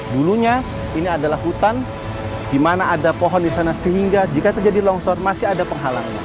dulunya ini adalah hutan di mana ada pohon di sana sehingga jika terjadi longsor masih ada penghalangan